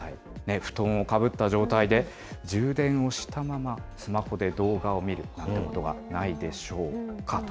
布団をかぶった状態で、充電をしたまま、スマホで動画を見るなんてことがないでしょうか？